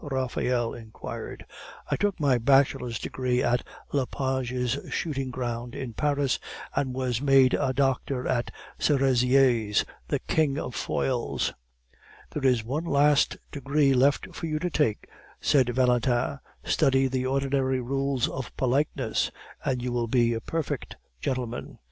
Raphael inquired. "I took my bachelor's degree on Lepage's shooting ground in Paris, and was made a doctor at Cerizier's, the king of foils." "There is one last degree left for you to take," said Valentin; "study the ordinary rules of politeness, and you will be a perfect gentlemen."